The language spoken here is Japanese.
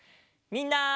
みんな。